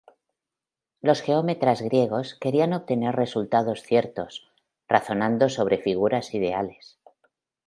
Los geómetras griegos querían obtener resultados ciertos, razonando sobre figuras ideales.